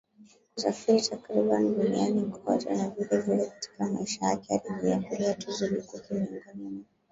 kusafiri takriban duniani kote na vilevile katika maisha yake alijinyakulia tuzo lukuki Miongoni mwa